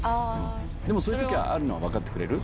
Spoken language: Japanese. でもそういう時あるのは分かってくれる？